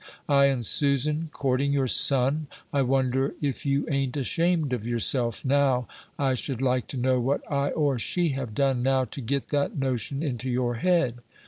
I and Susan courting your son? I wonder if you ain't ashamed of yourself, now! I should like to know what I or she have done, now, to get that notion into your head?"